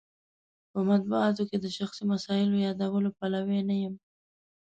په مطبوعاتو کې د شخصي مسایلو یادولو پلوی نه یم.